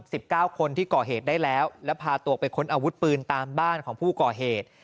สิบเก้าคนที่ก่อเหตุได้แล้วแล้วพาตัวไปค้นอาวุธปืนตามบ้านของผู้ก่อเหตุ